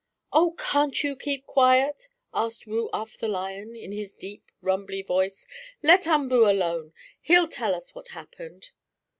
"Oh, can't you keep quiet?" asked Woo Uff, the lion, in his deep, rumbly voice. "Let Umboo alone! He'll tell us what happened."